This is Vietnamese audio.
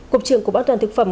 cục trưởng của bãn toàn thực phẩm